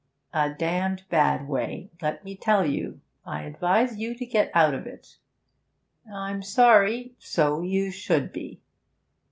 'A damned bad way, let me tell you. I advise you to get out of it.' 'I'm sorry ' 'So you should be.'